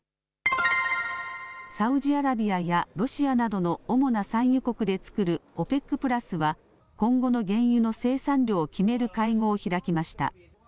サウジアラビアやロシアなどの主な産油国で作るＯＰＥＣプラスは今後の原油の生産量を決める会合を開きました。